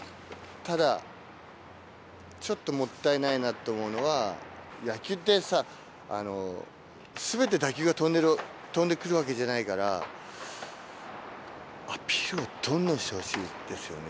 ただ、ちょっともったいないなって思うのは、野球ってさ、すべて打球が飛んでくるわけじゃないから、アピールをどんどんしてほしいですよね。